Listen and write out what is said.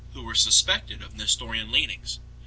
291 who were suspected of Nestorian leanings.